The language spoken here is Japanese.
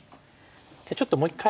じゃあちょっともう一回。